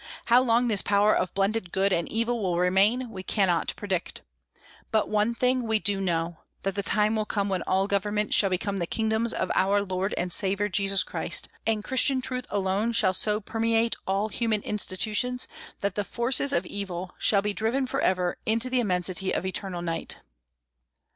How long this power of blended good and evil will remain we cannot predict. But one thing we do know, that the time will come when all governments shall become the kingdoms of our Lord and Saviour Jesus Christ; and Christian truth alone shall so permeate all human institutions that the forces of evil shall be driven forever into the immensity of eternal night.